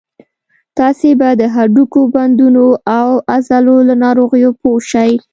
تاسې به د هډوکو، بندونو او عضلو له ناروغیو پوه شئ.